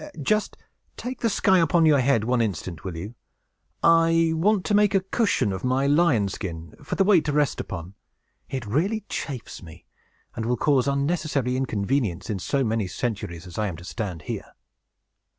"Just take the sky upon your head one instant, will you? I want to make a cushion of my lion's skin, for the weight to rest upon. It really chafes me, and will cause unnecessary inconvenience in so many centuries as I am to stand here."